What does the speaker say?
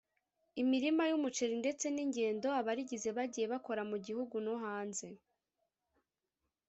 imirima y’umuceri ndetse n’ingendo abarigize bagiye bakora mu gihugu no hanze